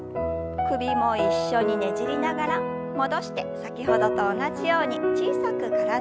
首も一緒にねじりながら戻して先ほどと同じように小さく体をねじります。